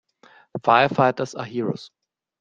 Firefighters are heroes.